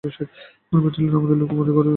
কোন ব্যাটালিয়ন আমাদের লোককে বন্দী করে রেখেছে?